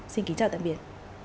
xin kính chào tạm biệt